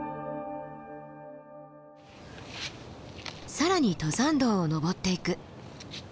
更に登山道を登っていく。